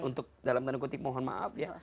untuk dalam tanda kutip mohon maaf ya